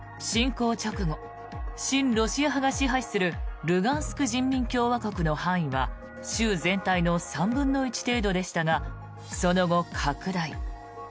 親ロシア派が支配するルガンスク人民共和国の範囲は州全体の３分の１程度でしたがその後、拡大。